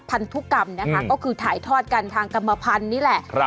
พันธุกรรมนะคะก็คือถ่ายทอดกันทางกรรมพันธุ์นี่แหละ